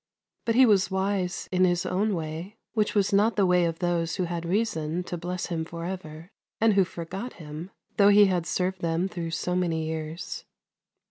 But he was wise in his own way, which was not the way of those who had reason to bless him for ever, and who forgot him, though he had served them through so many years.